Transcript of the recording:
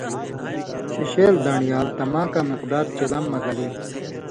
شِشیل دان٘ڑیال تماکاں مقدار چلم مہ گلی